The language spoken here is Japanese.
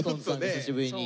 久しぶりに。